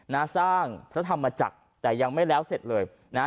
นะสร้างพระธรรมจักรแต่ยังไม่แล้วเสร็จเลยนะฮะ